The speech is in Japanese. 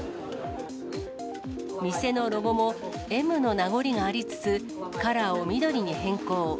店のロゴも、Ｍの名残がありつつ、カラーを緑に変更。